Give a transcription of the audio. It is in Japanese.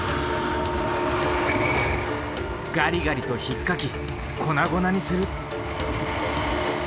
ガリガリとひっかき粉々にする。